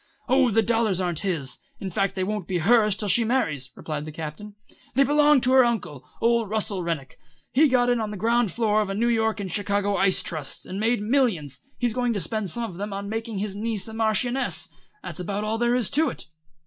"Oh, the dollars aren't his. In fact they won't be hers till she marries," replied the Captain. "They belong to her uncle, old Russell Rennick. He got in on the ground floor of the New York and Chicago ice trusts, and made millions. He's going to spend some of them on making his niece a Marchioness. That's about all there is to it."